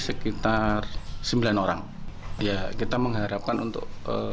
sekitar sembilan orang ya kita mengharapkan untuk